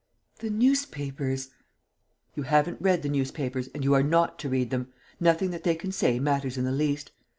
"The newspapers...." "You haven't read the newspapers and you are not to read them. Nothing that they can say matters in the least.